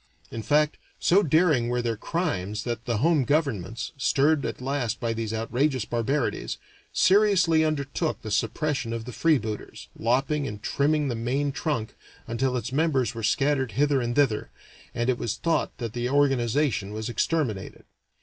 In fact, so daring were their crimes that the home governments, stirred at last by these outrageous barbarities, seriously undertook the suppression of the freebooters, lopping and trimming the main trunk until its members were scattered hither and thither, and it was thought that the organization was exterminated.